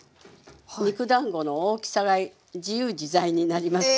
肉だんごの大きさが自由自在になりますよ。